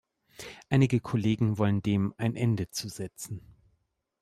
Einige Kollegen wollen dem ein Ende zu setzen.